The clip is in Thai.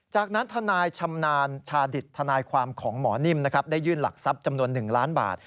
จากนั้นทนายชำนาญชาดิตทนายความของหมอนิ่มนะครับได้ยื่นหลักทรัพย์จำนวน๑ล้านบาท